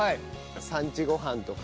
産地ごはんとか。